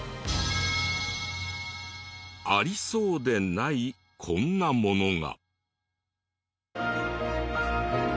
ありそうでないこんなものが。